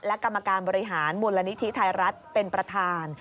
และกรรมการบริหารมูลนิธิไทยรัฐเป็นประธาน